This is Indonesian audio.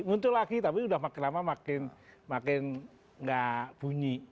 untuk lagi tapi sudah makin lama makin enggak bunyi